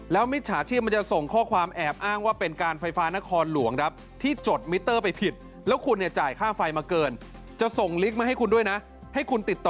แล้วมิจฉาชีพมันจะส่งข้อความแอบอ้างว่าเป็นการไฟฟ้านครหลวงทรัพย์ที่